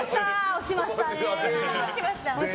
押しましたね！